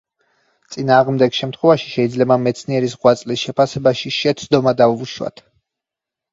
წინააღმდეგ შემთხვევაში შეიძლება მეცნიერის ღვაწლის შეფასებაში შეცდომა დავუშვათ.